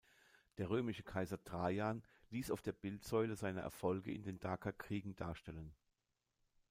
Der römische Kaiser Trajan ließ auf der Bildsäule seine Erfolge in den Dakerkriegen darstellen.